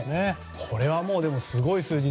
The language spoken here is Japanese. これはすごい数字。